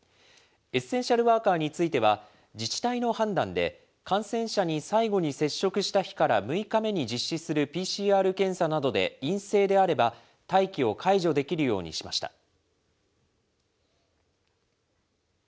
エッセンシャルワーカーについては、自治体の判断で感染者に最後に接触した日から６日目に実施するＰＣＲ検査などで陰性であれば、待機を解除できるようにしました。